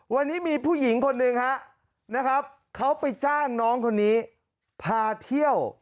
วันนี้มีผู้หญิงคนหนึ่งฮะนะครับเขาไปจ้างน้องคนนี้พาเที่ยว